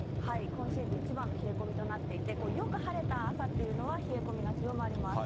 今シーズン一番の冷え込みになっていて、よく晴れた朝っていうのは冷え込みが強まります。